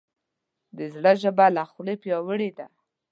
د زړه ژبه له خولې پیاوړې ده.